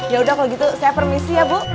yaudah kalau gitu saya permisi ya bu